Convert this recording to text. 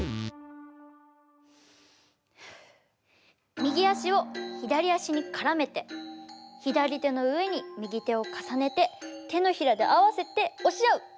右足を左足に絡めて左手の上に右手を重ねて手のひらで合わせて押し合う！